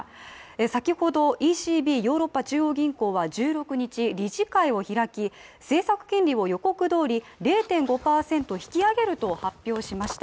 先ほどＥＣＢ、ヨーロッパ中央銀行は１６日、理事会を開き、政策金利を宣言どおり０．５％引き上げると発表しました。